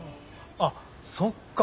あっそっか！